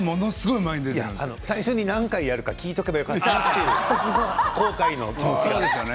最初に何回やるか聞いておけばよかったなって後悔の気持ち。